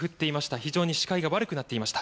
非常に視界が悪くなっていました。